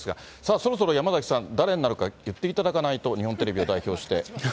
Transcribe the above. そろそろ山崎さん、誰になるか言っていただかないと、日本テレビを代表して。